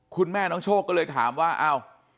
คุณแม่น้องโชคก็เลยถามว่าอ้าว